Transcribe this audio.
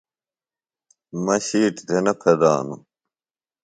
مہ شِیٹیۡ تھےۡ نہ یھاندوۡ۔